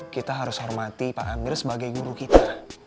kita harus hormati pak amir sebagai guru kita